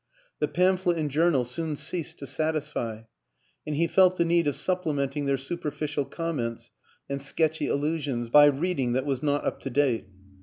The WILLIAM AN ENGLISHMAN 233 pamphlet and journal soon ceased to satisfy, and he felt the need of supplementing their superficial comments and sketchy allusions by reading that was not up to date.